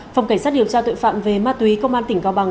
phòng cảnh sát điều tra tội phạm về ma túy công an tỉnh cao bằng